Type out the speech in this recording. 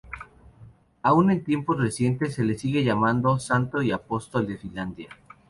Aún en tiempos recientes se le sigue llamando santo y apóstol de Finlandia.